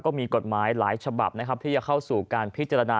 ก็มีกฎหมายหลายฉบับนะครับที่จะเข้าสู่การพิจารณา